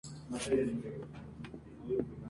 Sin embargo, es fácilmente visible con unos prismáticos.